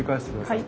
はい。